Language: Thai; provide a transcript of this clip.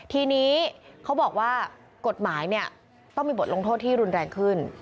ทีนี้เขาบอกว่ากฎหมายเนี่ยต้องมีบทลงโทษที่รุนแรงขึ้น